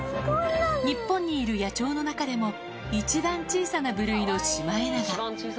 日本にいる野鳥の中でも、一番小さな部類のシマエナガ。